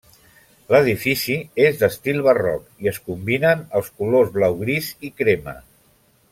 L'edifici és d'estil barroc i es combinen els colors blau gris i crema.